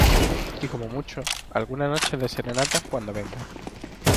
y como mucho, alguna noche de serenata cuando vengan